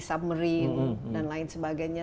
submarine dan lain sebagainya